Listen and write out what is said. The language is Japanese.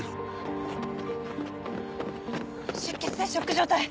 出血性ショック状態。